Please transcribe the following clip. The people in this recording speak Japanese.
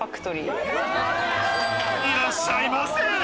いらっしゃいませ。